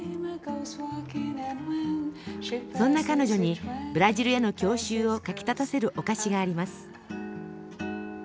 そんな彼女にブラジルへの郷愁をかきたたせるお菓子があります。